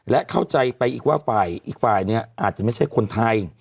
และเข้าใจไปอีกว่าอีกฝ่ายอาจจะไม่ใช่คนไทย